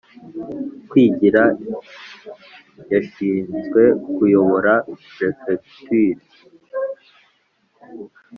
kwigira yashinzwe kuyobora prefecture,